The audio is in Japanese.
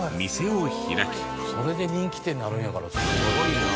それで人気店になるんやからすごい。